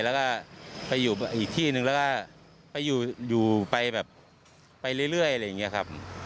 แล้วก็ไปอยู่อีกที่นึงแล้วก็ไปอยู่ไปแบบไปเรื่อยอะไรอย่างนี้ครับ